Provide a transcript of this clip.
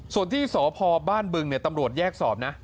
ส่วนที่สพบ้านบึงตำรวจแยกสอบนะ